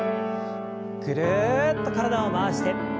ぐるっと体を回して。